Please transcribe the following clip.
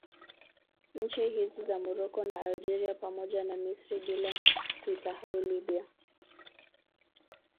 Nchi hizi za Morocco na Algeria pamoja na Misri bila kuisahau Libya